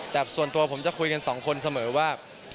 แต่ส่วนตัวผมจะคุยกันสองคนเสมอว่า